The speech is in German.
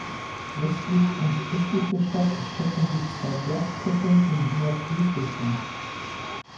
Westlich und östlich der Stadt erstrecken sich zwei Bergketten in Nord-Süd-Richtung.